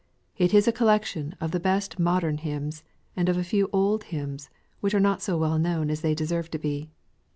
It is a collection of the best modern hymns, and of a ievf old hymns, which are not so well known as they de serve to be.